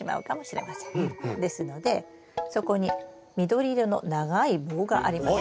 ですのでそこに緑色の長い棒がありますね。